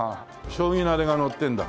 将棋のあれがのってるんだ。